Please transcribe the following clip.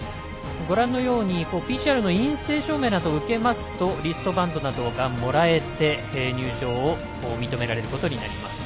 ＰＣＲの陰性証明などを受けますとリストバンドなどがもらえて入場を認められることになります。